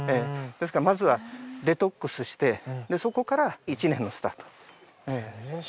ですからまずはデトックスしてそこから１年のスタート。